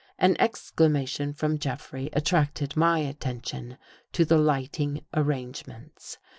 An exclamation from Jeffrey attracted my atten tion to the lighting arrangements.